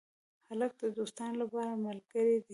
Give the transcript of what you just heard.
هلک د دوستانو لپاره ملګری دی.